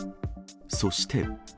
そして。